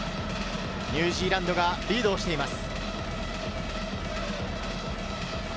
ニュージーランドがリードしています。